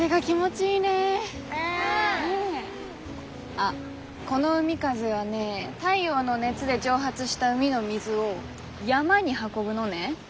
あっこの海風はね太陽の熱で蒸発した海の水を山に運ぶのね。